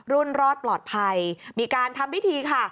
รอดปลอดภัยมีการทำพิธีค่ะ